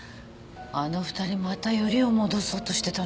あの２人またよりを戻そうとしてたのかな。